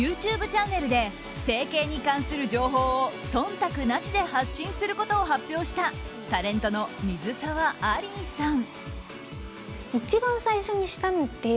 ＹｏｕＴｕｂｅチャンネルで整形に関する情報を忖度なしで発信することを発表したタレントの水沢アリーさん。